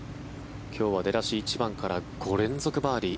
今日は出だし、１番から５連続バーディー。